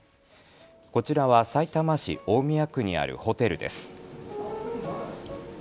こちらはさいたま市大宮区にあるホテルです。